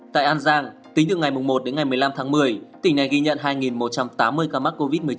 tại an giang tính từ ngày một đến ngày một mươi năm tháng một mươi tỉnh này ghi nhận hai một trăm tám mươi ca mắc covid một mươi chín